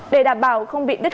để đảm bảo không bị đứt gãy xã hội